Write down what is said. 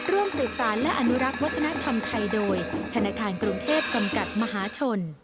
ร่วมสืบสารและอนุรักษ์วัฒนธรรมไทยโดยธนาคารกรุงเทพจำกัดมหาชน